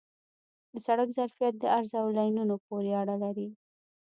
د سړک ظرفیت د عرض او لینونو پورې اړه لري